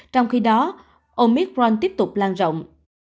trong khi đó omicron tiếp tục lan rộng